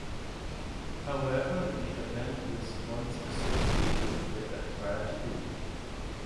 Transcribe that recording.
However, the event was once associated with a tragedy.